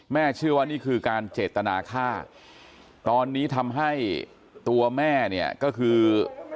เชื่อว่านี่คือการเจตนาฆ่าตอนนี้ทำให้ตัวแม่เนี่ยก็คือ